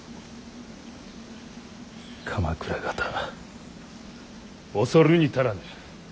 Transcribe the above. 鎌倉方恐るに足らぬ。